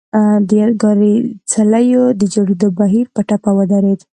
د یادګاري څليو د جوړېدو بهیر په ټپه ودرېد.